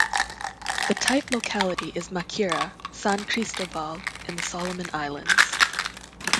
The type locality is Makira (San Cristobal) in the Solomon Islands.